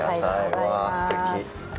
うわぁ、すてき。